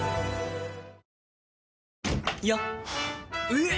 えっ！